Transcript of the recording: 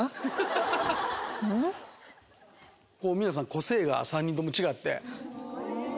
皆さん個性が３人とも違って。